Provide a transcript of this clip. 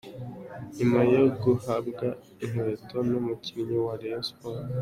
Nyuma yo guhabwa inkweto numukinnyi wa Rayon Sports,.